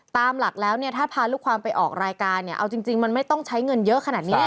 ตามหลักแล้วเนี่ยถ้าพาลูกความไปออกรายการเนี่ยเอาจริงมันไม่ต้องใช้เงินเยอะขนาดนี้